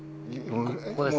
ここですね。